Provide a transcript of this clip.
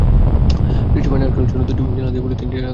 বৃষ্টির পানি আটকানোর জন্য দুটি জানালা পলিথিন দিয়ে ঢেকে রাখা হয়েছে।